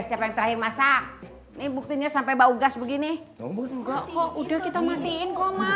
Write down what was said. ayo siapa yang terakhir masak nih buktinya sampai bau gas begini udah ya udah dimatiin